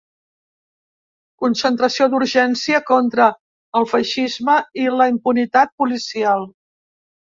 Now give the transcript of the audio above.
Concentració d'urgència contra el feixisme i la impunitat policial.